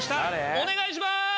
お願いします！